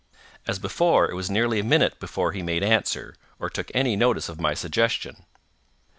As before, it was nearly a minute before he made answer, or took any notice of my suggestion.